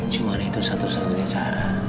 cuman itu satu satunya cara